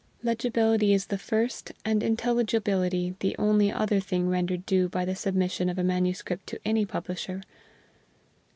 Legibility is the first and intelligibility the only other thing rendered due by the submission of a manuscript to any publisher.